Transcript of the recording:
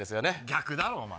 逆だろお前！